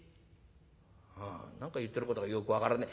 「はあ何か言ってることがよく分からねえ。